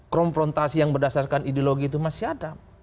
konfrontasi yang berdasarkan ideologi itu masih ada